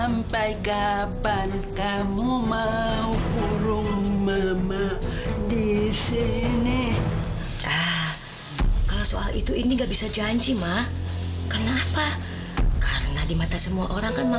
mama makin cantik